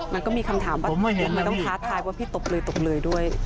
มันก็มีคำถามว่าทำไมต้องท้าทายว่าพี่ตบเลยตกเลยด้วย